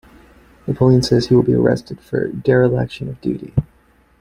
Napoleon says he will be arrested for dereliction of duty.